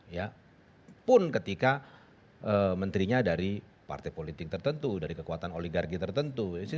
ya pun ketika menterinya dari partai politik tertentu dari kekuatan oligarki tertentu